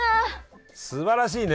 すばらしいね。